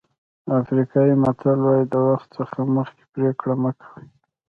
افریقایي متل وایي د وخت څخه مخکې پرېکړه مه کوئ.